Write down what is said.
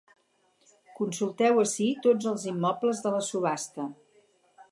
Consulteu ací tots els immobles de la subhasta.